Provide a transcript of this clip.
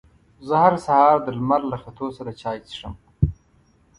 زه هر سهار د لمر له ختو سره چای څښم.